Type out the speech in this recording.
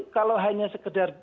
kalau hanya sekedar